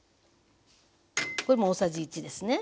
これも大さじ１ですね。